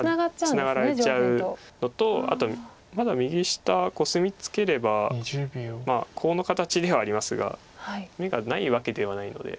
ツナがられちゃうのとあとまだ右下コスミツケればまあコウの形ではありますが眼がないわけではないので。